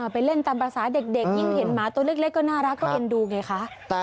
ไปเล่นตามภาษาเด็กยิ่งเห็นหมาตัวเล็กก็น่ารักก็เอ็นดูไงคะ